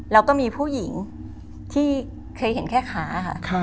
แล้วก็มีผู้หญิงที่เคยเห็นแค่ขาค่ะ